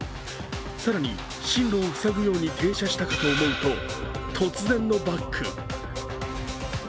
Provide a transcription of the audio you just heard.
更に、進路を塞ぐように停車したかと思うと、突然のバック。